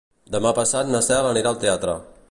Demà passat na Cel anirà al teatre.